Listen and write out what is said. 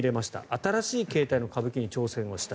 新しい形態の歌舞伎に挑戦した。